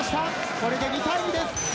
これで２対２です。